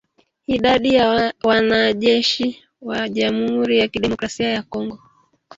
Idadi ya wanajeshi wa jamhuri ya kidemokrasia ya Kongo